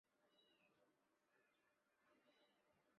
邓莫尔勋爵依旧竭力试图夺回对殖民地的控制权。